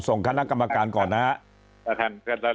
ส่งคณะกรรมการก่อนนะครับ